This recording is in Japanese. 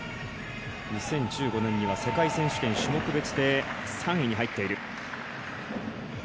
２０１５年には世界選手権、種目別で３位に入っている。